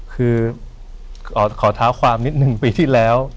คือขอเท้าความนิดหนึ่งปีที่แล้ว